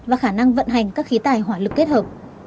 và khả năng vận hành các khí tài hỏa lực kết hợp